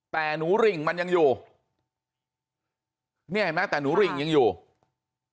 แต่หนูริ่งมันยังอยู่เนี่ยเห็นไหมแต่หนูริ่งยังอยู่